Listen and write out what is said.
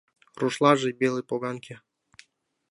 Рушлаже — белый поганке.